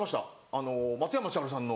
あの松山千春さんの。